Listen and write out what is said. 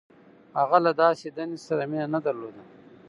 • هغه له داسې دندې سره مینه نهدرلوده.